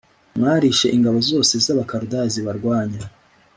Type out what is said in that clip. mwarishe ingabo zose z Abakaludaya zibarwanya